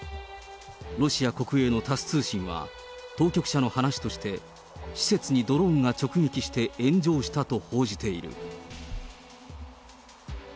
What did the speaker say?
ロシア国営のタス通信は、当局者の話として、施設にドローンが直撃して炎上したと報じている。